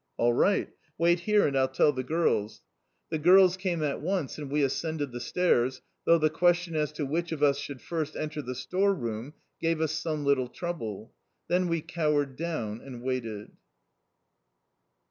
"All right. Wait here, and I'll tell the girls." The girls came at once, and we ascended the stairs, though the question as to which of us should first enter the store room gave us some little trouble. Then we cowered down and waited.